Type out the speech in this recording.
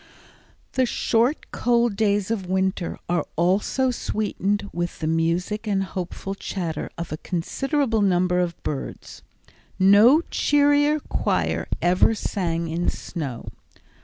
The short, cold days of winter are also sweetened with the music and hopeful chatter of a considerable number of birds. No cheerier choir ever sang in snow.